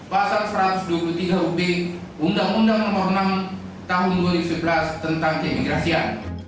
pasar satu ratus dua puluh tiga u p undang undang no enam tahun dua ribu sebelas tentang keimigrasian